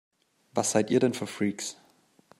Was seid ihr denn für Freaks?